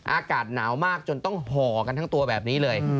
อากาศหนาวมากจนต้องห่อกันทั้งตัวแบบนี้เลย